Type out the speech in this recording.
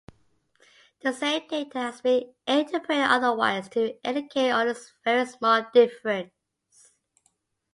The same data has been interpreted otherwise to indicate only a very small difference.